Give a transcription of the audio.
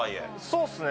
そうですね。